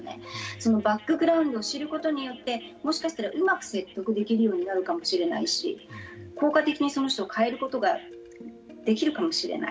そのバックグラウンドを知ることによってもしかしたらうまく説得できるようになるかもしれないし効果的にその人を変えることができるかもしれない。